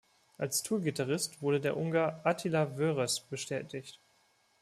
Als Tour-Gitarrist wurde der Ungar Attila Vörös bestätigt.